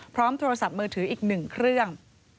โทรศัพท์มือถืออีก๑เครื่อง